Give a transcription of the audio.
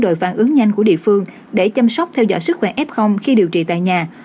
đội phản ứng nhanh của địa phương để chăm sóc theo dõi sức khỏe f khi điều trị tại nhà